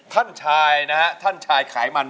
เพื่อจะไปชิงรางวัลเงินล้าน